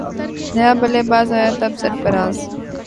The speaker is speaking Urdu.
نیا بلے باز آیا تب سرفراز